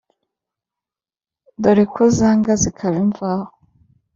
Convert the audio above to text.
Dore ko zanga zikaba imvaho.